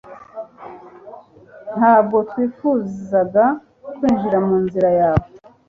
Ntabwo twifuzaga kwinjira mu nzira yawe